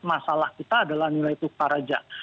masalah kita adalah nilai tukar aja